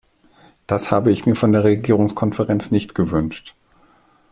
Das habe ich mir von der Regierungskonferenz nicht gewünscht.